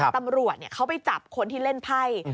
ตำรวจเขาไปจับคนที่เล่นไพ่